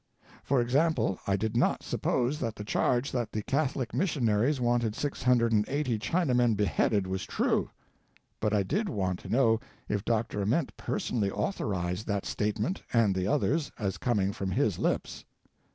For example, I did not suppose that the charge that the Catholic missionaries wanted 680 China men beheaded was true; but I did want to know if Dr. Ament personally authorized that statement and the others, as coming from his lips.